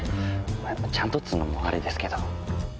ちゃんとっつうのもあれですけど。